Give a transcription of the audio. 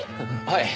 はい。